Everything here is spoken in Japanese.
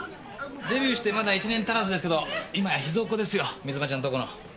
デビューしてまだ１年足らずですけど今や秘蔵っ子ですよ水間ちゃんとこの。